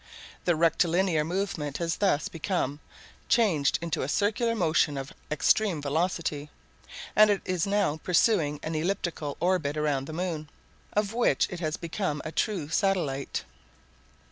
The rectilinear movement has thus become changed into a circular motion of extreme velocity, and it is now pursuing an elliptical orbit round the moon, of which it has become a true satellite.